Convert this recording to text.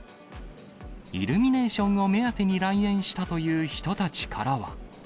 イルミネーションを目当てに来園したという人たちからは。